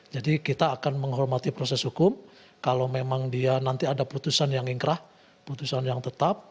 jadi kita akan menghormati proses hukum kalau memang dia nanti ada putusan yang ingkrah putusan yang tetap